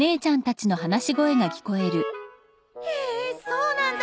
・へえそうなんだ。